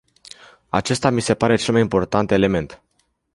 Acesta mi se pare cel mai important element.